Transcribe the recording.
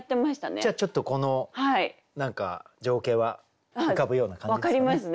じゃあちょっとこの何か情景は浮かぶような感じですかね。